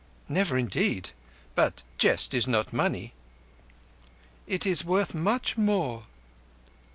"Never indeed. But a jest is not money." "It is worth much more."